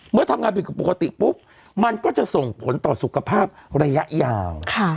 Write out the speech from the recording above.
เมื่อทำงานผิดปกติปุ๊บมันก็จะส่งผลต่อสุขภาพระยะยาว